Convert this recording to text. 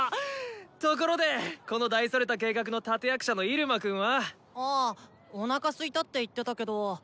ところでこの大それた計画の立て役者のイルマくんは？あおなかすいたって言ってたけど。